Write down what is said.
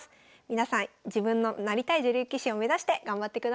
皆さん自分のなりたい女流棋士を目指して頑張ってください。